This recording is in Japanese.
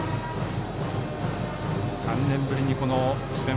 ３年ぶりに智弁